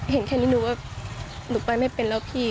เห็นแค่นี้หนูว่าหนูไปไม่เป็นแล้วพี่